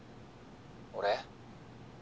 俺？